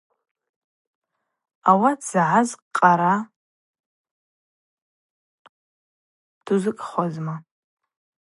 Ауат загӏаз Къара дузыкӏхуазма.